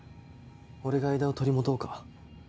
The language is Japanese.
俺が間を取り持とうか？